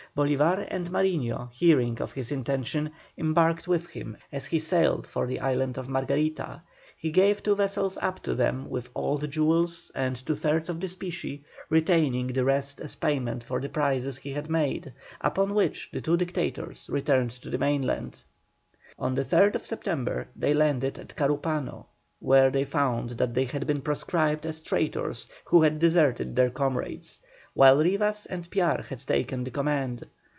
Bolívar and Mariño hearing of his intention, embarked with him as he sailed for the island of Margarita. He gave two vessels up to them with all the jewels and two thirds of the specie, retaining the rest as payment for the prizes he had made, upon which the two Dictators returned to the mainland. On the 3rd September they landed at Carúpano, where they found that they had been proscribed as traitors who had deserted their comrades, while Rivas and Piar had taken the command.